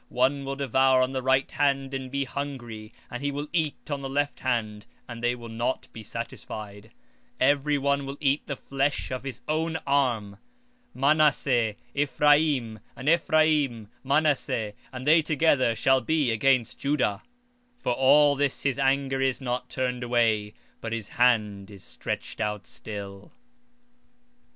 19:20 And he shall snatch on the right hand and be hungry; and he shall eat on the left hand and they shall not be satisfied; they shall eat every man the flesh of his own arm— 19:21 Manasseh, Ephraim; and Ephraim, Manasseh; they together shall be against Judah. For all this his anger is not turned away, but his hand is stretched out still.